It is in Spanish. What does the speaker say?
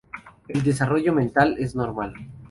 El desarrollo mental es normal.